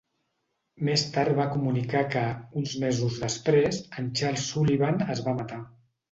Més tard va comunicar que, uns mesos després, en Charles Sullivan es va matar.